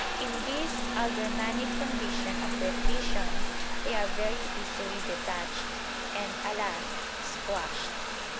In this aldermanic condition of repletion they are very easily detached, ... and alas! squashed.